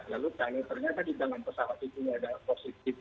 lalu kalau ternyata di dalam pesawat itu tidak ada positif